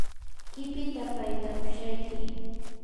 qipita paytakushayki.